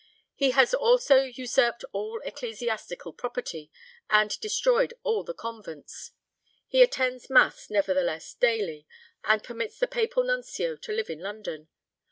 He has also usurped all ecclesiastical property, and destroyed all the convents. He attends Mass nevertheless daily, and permits the papal nuncio to live in London.